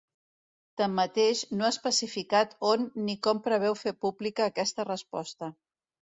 Tanmateix, no ha especificat on ni com preveu fer pública aquesta resposta.